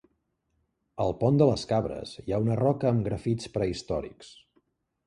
Al Pont de les Cabres hi ha una roca amb grafits prehistòrics.